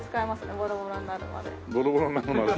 ボロボロになるまで。